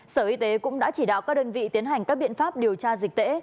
sở y tế cũng đã chỉ đạo các đơn vị tiến hành các biện pháp điều tra dịch tễ